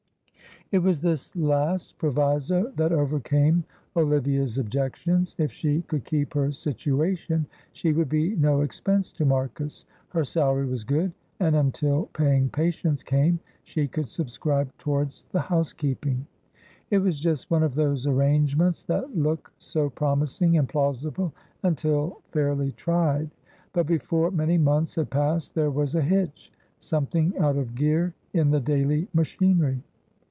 It was this last proviso that overcame Olivia's objections. If she could keep her situation she would be no expense to Marcus. Her salary was good, and until paying patients came she could subscribe towards the housekeeping. It was just one of those arrangements that look so promising and plausible until fairly tried, but before many months had passed there was a hitch something out of gear in the daily machinery.